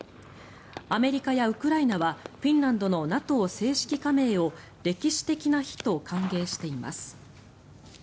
アメリカやウクライナはフィンランドのＮＡＴＯ正式加盟を歴史的な日と歓迎しています。